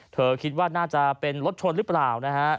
คิดว่าน่าจะเป็นรถชนหรือเปล่านะฮะ